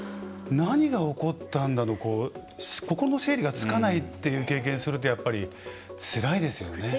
何が起こったんだ心の整理がつかないっていう経験すると、つらいですよね。